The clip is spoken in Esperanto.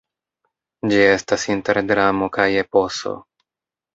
Ĝi estas inter dramo kaj eposo.